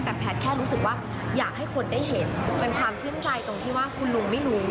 แต่แพทย์แค่รู้สึกว่าอยากให้คนได้เห็นเป็นความชื่นใจตรงที่ว่าคุณลุงไม่รู้